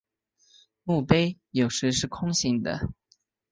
墓碑有时是空心的。